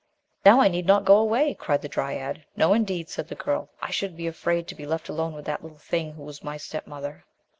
"Now I need not go away," cried the dryad. "No, indeed," said the girl, "I should be afraid to be left alone with that little thing who was my step mother."